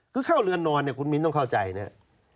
ก็เข้าเรือนนอนเนี่ยคุณมิ้นต้องเข้าใจเนี่ย